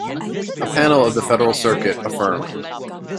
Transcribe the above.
A panel of the Federal Circuit affirmed.